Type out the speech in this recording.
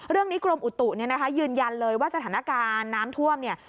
เรื่องนี้กรมอุตุนี้นะคะยืนยันเลยว่าสถานการณ์น้ำท่วมเนี่ย